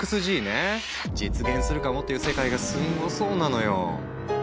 実現するかもっていう世界がすごそうなのよ。